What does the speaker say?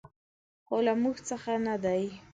خو له موږ څخه نه دي .